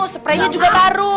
spraynya juga baru